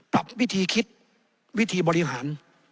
ปรับวิธีคิดวิธีบริหาร